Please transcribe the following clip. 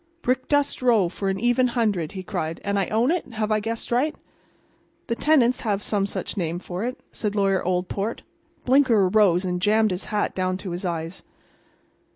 "Brickdust Row for an even hundred," he cried. "And I own it. Have I guessed right?" "The tenants have some such name for it," said Lawyer Oldport. Blinker arose and jammed his hat down to his eyes.